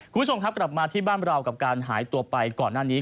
คุณผู้ชมครับกลับมาที่บ้านเรากับการหายตัวไปก่อนหน้านี้